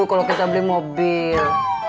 kalau kita beli mobil